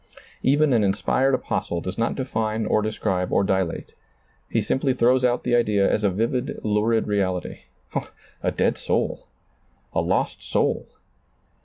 Even an inspired apostle does not define or describe or dilate ; he simply throws out the idea as a vivid, lurid reality — a dead soul ! A lost soul